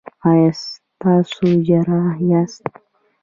ایا تاسو جراح یاست؟